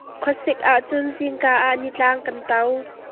Khua sik ahcun zingka ah nitlang kan to.